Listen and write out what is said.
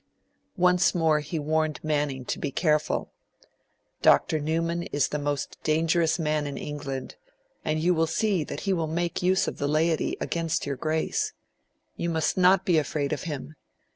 Once more he warned Manning to be careful. 'Dr. Newman is the most dangerous man in England, and you will see that he will make use of the laity against your Grace. You must not be afraid of him.